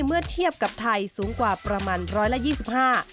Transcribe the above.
เมื่อเทียบกับไทยสูงกว่าประมาณ๑๒๕บาท